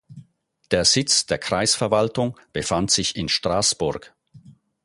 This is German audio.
Der Sitz der Kreisverwaltung befand sich in Strasburg.